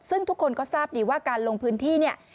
ซึ่งทุกคนก็ทราบดีว่าการลงพื้นที่เนี่ย